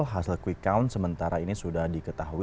hasil quick count sementara ini sudah diketahui